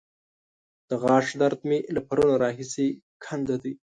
د غاښ درد مې له پرونه راهسې کنده دی.